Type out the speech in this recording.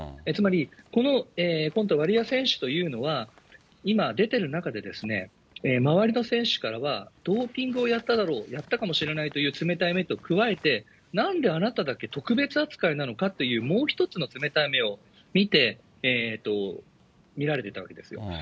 つまり、このワリエワ選手というのは、今、出てる中で、周りの選手からはドーピングをやっただろう、やったかもしれないという冷たい目と加えて、なんであなただけ特別扱いなのかというもう一つの冷たい目で見られてたわけですよ。